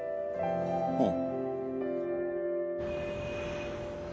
うん。